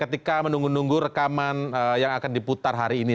ketika menunggu nunggu rekaman yang akan diputar hari ini